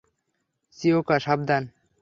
Chiyoko, সাবধান!